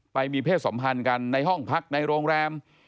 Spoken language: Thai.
ไปมีเพศสัมพันธ์กันในห้องพักในโรงแรม